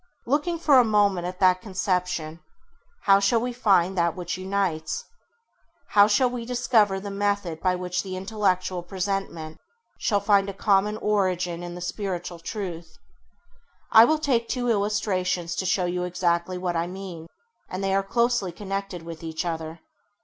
Looking for a moment at that conception, how shall we find that which unites ? How shall we discover the method by which the intellectual presentment shall find a common origin in the spiritual truth ? I will take two illustrations to show you exactly what I mean, and they are closely connected with each other.